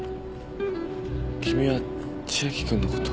君は千秋君のこと。